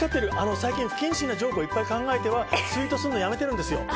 最近、不謹慎なジョークを考えてはツイートするのやめてるんです。